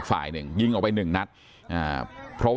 ท่านดูเหตุการณ์ก่อนนะครับ